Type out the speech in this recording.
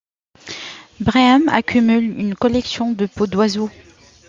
Brehm accumule une collection de peaux d'oiseaux.